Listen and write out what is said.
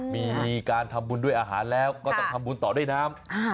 มีการทำบุญด้วยอาหารแล้วก็ต้องทำบุญต่อด้วยน้ำ